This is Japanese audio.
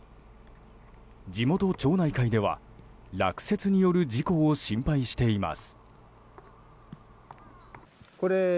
地元町内会では落雪による事故を心配しています。